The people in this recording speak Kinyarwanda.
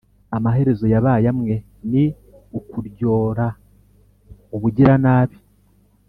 amaherezo yabaye amwe; ni ukuryora ubugiranabi.